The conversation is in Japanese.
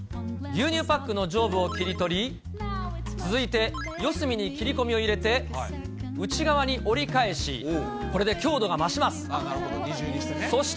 牛乳パックの上部を切り取り、続いて四隅に切り込みを入れて、内側に折り返し、これで強度が増します。